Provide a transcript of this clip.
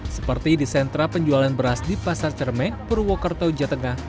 seperti di sentra penjualan beras di pasar cermeng purwokerto jatengah